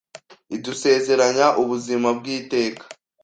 idusezeranya ubuzima bw iteka